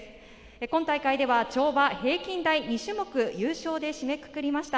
今大会では跳馬、平均台、２種目優勝で締めくくりました。